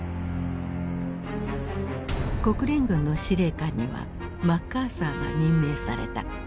国連軍の司令官にはマッカーサーが任命された。